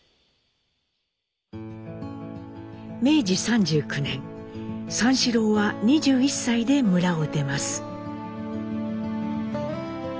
明治３９年三四郎は２１歳で村を出ます。